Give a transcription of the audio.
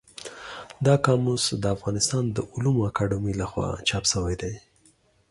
دا قاموس د افغانستان د علومو اکاډمۍ له خوا چاپ شوی دی.